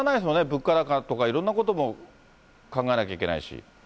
物価高とかいろんなことも考えなきゃいけないし。